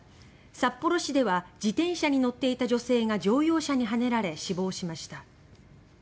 札幌市では自転車に乗っていた女性が乗用車にはねられ死亡しました。